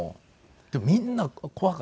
でもみんな怖かったよね顔。